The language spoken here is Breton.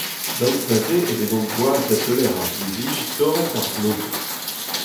Daoust da se e vezont boas da deuler ar binviji torret d'ar blotoù.